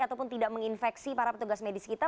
ataupun tidak menginfeksi para petugas medis kita